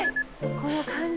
この感じ。